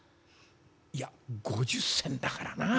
「いや５０銭だからなあ